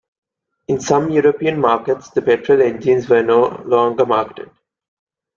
In some European markets, the petrol engines were no longer marketed.